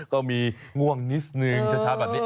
ก็มีง่วงนิดนึงเช้าแบบนี้